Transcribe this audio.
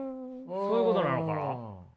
そういうことなのかな。